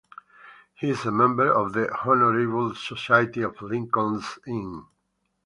He is a member of the Honourable Society of Lincoln's Inn.